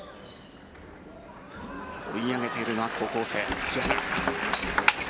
追い上げているのは高校生、木原。